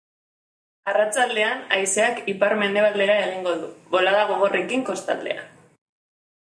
Arratsaldean haizeak ipar-mendebaldera egingo du, bolada gogorrekin kostaldean.